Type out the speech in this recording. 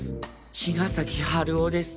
茅ヶ崎春夫です。